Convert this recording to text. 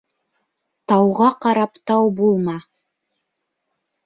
Тауға ҡарап тау булма.